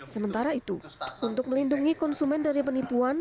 sementara itu untuk melindungi konsumen dari penipuan